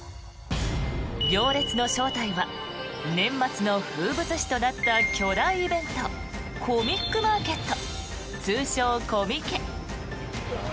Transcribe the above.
行列の正体は年末の風物詩となった巨大イベントコミックマーケット通称・コミケ。